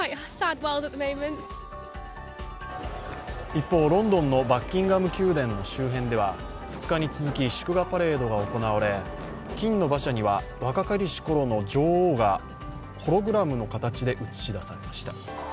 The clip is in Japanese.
一方、ロンドンのバッキンガム宮殿の周辺では２日に続き、祝賀パレードが行われ金の馬車には若かりしころの女王がホログラムの形で映し出されました。